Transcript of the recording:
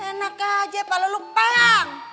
enak aja kalau lu pang